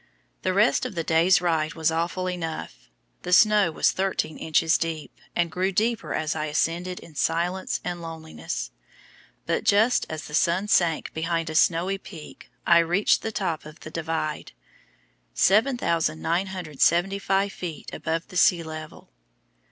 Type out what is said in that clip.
The rest of the day's ride was awful enough. The snow was thirteen inches deep, and grew deeper as I ascended in silence and loneliness, but just as the sun sank behind a snowy peak I reached the top of the Divide, 7,975 feet above the sea level.